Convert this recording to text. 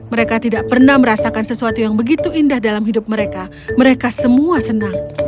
mereka tidak pernah merasakan sesuatu yang begitu indah dalam hidup mereka mereka semua senang